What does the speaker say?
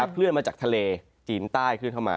เคลื่อนมาจากทะเลจีนใต้เคลื่อนเข้ามา